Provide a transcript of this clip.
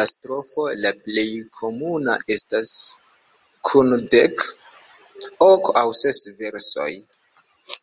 La strofo la plej komuna estas kun dek, ok aŭ ses versoj.